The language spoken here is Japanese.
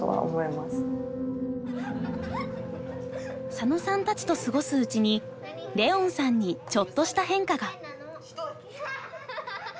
佐野さんたちと過ごすうちに恋音さんにちょっとした変化が。